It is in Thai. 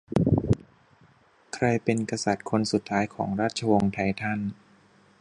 ใครเป็นกษัตริย์คนสุดท้ายของราชวงศ์ไททัน